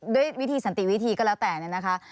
ด้วยวิธีสันติวิธีก็แล้วแต่เนี่ยนะคะ